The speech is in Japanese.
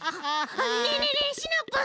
ねえねえねえシナプー。